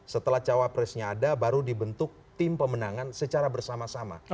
setelah cawapresnya ada baru dibentuk tim pemenangan secara bersama sama